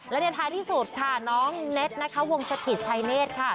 และในท้ายที่สุดค่ะน้องเน็ตนะคะวงสถิตชายเนธค่ะ